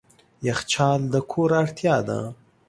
یخچال د کور اړتیا ده.